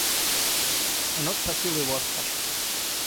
Она спросила его о скачках.